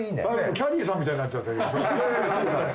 キャディーさんみたいになっちゃってる。